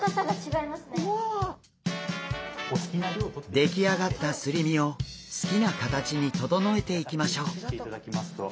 出来上がったすり身を好きな形に整えていきましょう。